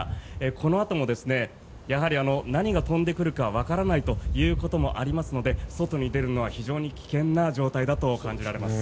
このあとも何が飛んでくるかわからないということもありますので外に出るのは非常に危険な状態だと感じられます。